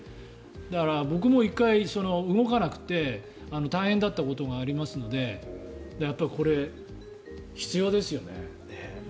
だから僕も１回、動かなくて大変だったことがありますのでこれ、必要ですよね。